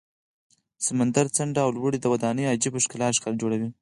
د سمندر څنډه او لوړې ودانۍ عجیبه ښکلا جوړوي.